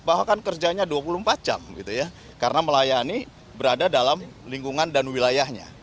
bahwa kan kerjanya dua puluh empat jam gitu ya karena melayani berada dalam lingkungan dan wilayahnya